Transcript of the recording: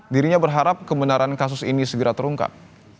dirinya berharap kebenaran kasus ini segera terungkap